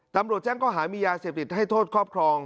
ตำรวจแจ้งข้อหามียาเสพติดให้โทษครอบครอง